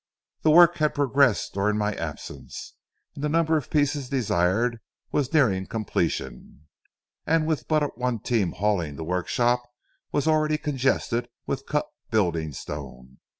The work had progressed during my absence, and the number of pieces desired was nearing completion, and with but one team hauling the work shop was already congested with cut building stone.